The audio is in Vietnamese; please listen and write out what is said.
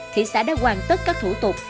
thị xã đã hoàn tất các thủ tục